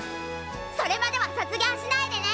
それまでは卒業しないでね！